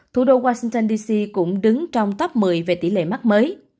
thủ đô washington d c cũng đứng trong top một mươi về tỷ lệ mắc mới